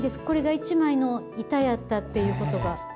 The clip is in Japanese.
これが１枚の板やったっていうことが。